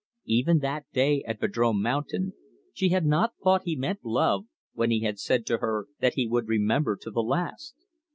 Even that day at Vadrome Mountain she had not thought he meant love, when he had said to her that he would remember to the last.